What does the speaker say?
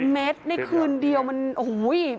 ๒๐เม็ดในคืนเดียวมันโอ้โห้ย